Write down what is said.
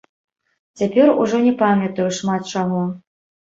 Цяпер ужо не памятаю шмат чаго.